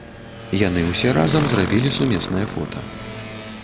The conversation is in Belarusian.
Яны ўсе разам зрабілі сумеснае фота.